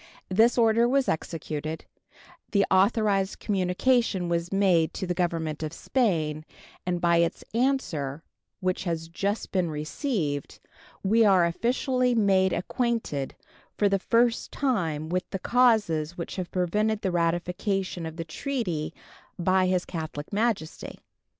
This order was executed, the authorized communication was made to the Government of Spain, and by its answer, which has just been received, we are officially made acquainted for the first time with the causes which have prevented the ratification of the treaty by His Catholic Majesty.